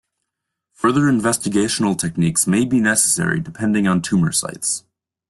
Further investigational techniques may be necessary depending on tumor sites.